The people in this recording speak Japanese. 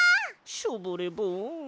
ショボレボン。